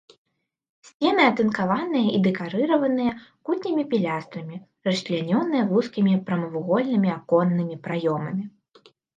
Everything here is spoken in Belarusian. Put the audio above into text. Сцены атынкаваныя і дэкарыраваныя кутнімі пілястрамі, расчлянёныя вузкімі прамавугольнымі аконнымі праёмамі.